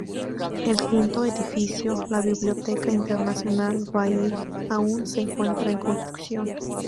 El quinto edificio, la Biblioteca Internacional Bahá'í aún se encuentra en construcción.